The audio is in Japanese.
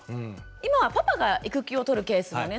今はパパが育休を取るケースもね